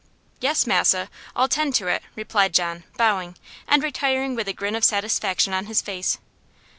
"Yes, Massa, I'll 'tend to it," replied John, bowing, and retiring with a grin of satisfaction on his face.